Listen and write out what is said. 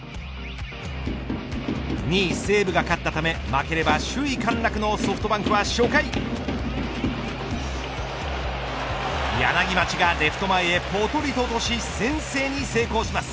２位西武が勝ったため負ければ首位陥落のソフトバンクは初回柳町がレフト前へぽとりと落とし先制に成功します